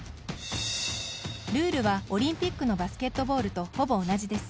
ルールは、オリンピックのバスケットボールとほぼ同じです。